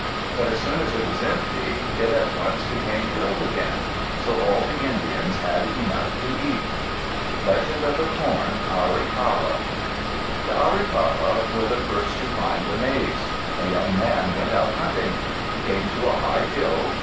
But as soon as it was empty, it at once became filled again, so all the Indians had enough to eat. LEGEND OF THE CORN Arikara The Arikara were the first to find the maize. A young man went out hunting. He came to a high hill.